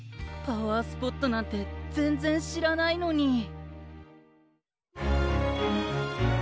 パワースポットなんてぜんぜんしらないのに。